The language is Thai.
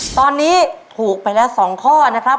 ตอนนี้ถูกไปแล้ว๒ข้อนะครับ